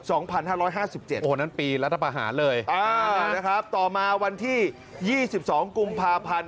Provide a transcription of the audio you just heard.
โอ้โหนั้นปีรัฐประหารเลยอ่านะครับต่อมาวันที่๒๒กุมภาพันธ์